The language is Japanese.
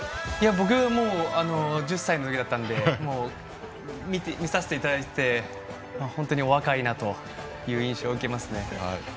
僕は１０歳の時だったんで見させていただいて本当にお若いなという印象を受けますね。